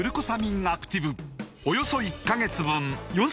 およそ１カ月分